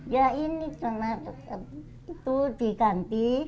ya ini karena itu diganti